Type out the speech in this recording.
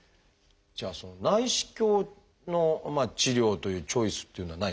じゃあその内視鏡の治療というチョイスっていうのはないんですか？